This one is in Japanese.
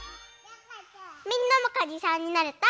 みんなもかにさんになれた？